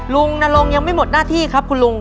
นรงยังไม่หมดหน้าที่ครับคุณลุง